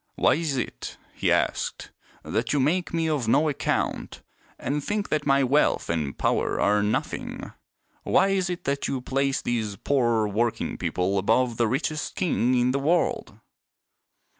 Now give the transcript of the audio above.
" Why is it," he asked, " that you make me of no account and think that my wealth and power are nothing ? Why is it that you place these poor working people above the richest king in the world